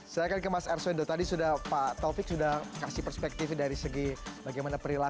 saya nanti tanya pusul karim dulu